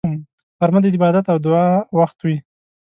غرمه د عبادت او دعا وخت وي